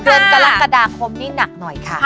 เดือนกรกฎาคมนี่หนักหน่อยค่ะ